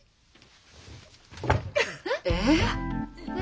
えっ？